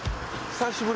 久しぶり。